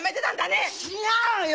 違うよ！